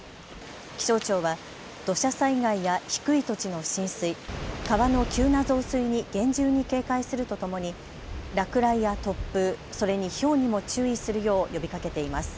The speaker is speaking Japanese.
気象庁は土砂災害や低い土地の浸水、川の急な増水に厳重に警戒するとともに落雷や突風、それにひょうにも注意するよう呼びかけています。